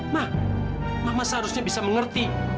mah mama seharusnya bisa mengerti